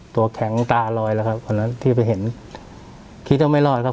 ตัวแข็งตาลอยอะไรครับที่ไปเห็นยังไม่รอดครับ